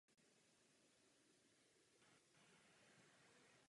Na předchozích mistrovstvích měly ženy na programu pětiboj.